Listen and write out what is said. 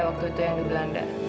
waktu itu yang di belanda